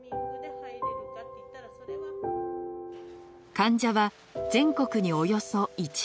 患者は全国におよそ１万人。